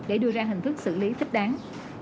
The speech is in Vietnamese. để đưa ra hình thức xử lý thích đáng